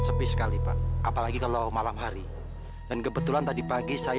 sampai jumpa di video selanjutnya